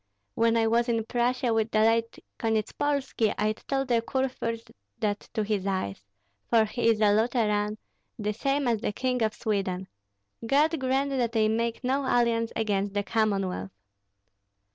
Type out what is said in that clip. When I was in Prussia with the late Konyetspolski, I told the kurfürst that to his eyes, for he is a Lutheran, the same as the King of Sweden. God grant that they make no alliance against the Commonwealth!"